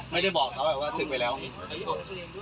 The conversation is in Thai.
ไม่ได้บอกเขาเหรอว่าศึกไปแล้ว